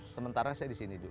sementara saya disini dulu